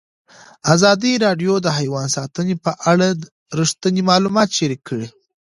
ازادي راډیو د حیوان ساتنه په اړه رښتیني معلومات شریک کړي.